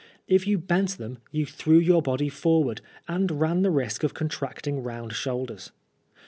If you bent them you threw your body forward, and ran the risk of contracting round shoulders.